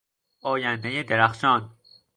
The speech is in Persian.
آیندهی درخشان